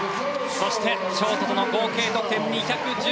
そして、ショートとの合計得点２１２．０２。